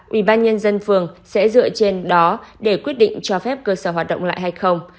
ủy ban nhân dân phường sẽ dựa trên đó để quyết định cho phép cơ sở hoạt động lại hay không